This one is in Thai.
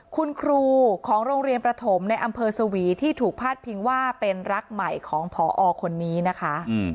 คุณครูของโรงเรียนประถมในอำเภอสวีที่ถูกพาดพิงว่าเป็นรักใหม่ของพอคนนี้นะคะ